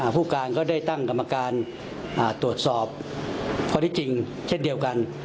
ผู้การก็ได้ตั้งกรรมการตรวจสอบข้อที่จริงเช่นเดียวกัน